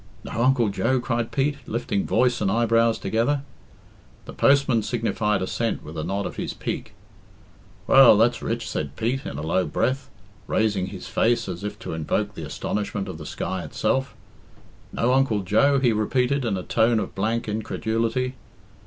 "No Uncle Joe?" cried Pete, lifting voice and eyebrows together. The postman signified assent with a nod of his peak. "Well, that's rich," said Pete, in a low breath, raising his face as if to invoke the astonishment of the sky itself. "No Uncle Joe?" he repeated, in a tone of blank incredulity.